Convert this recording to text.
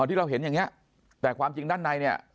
ที่เราเห็นอย่างเงี้แต่ความจริงด้านในเนี่ย